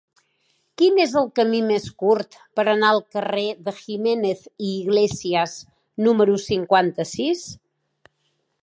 Quin és el camí més curt per anar al carrer de Jiménez i Iglesias número cinquanta-sis?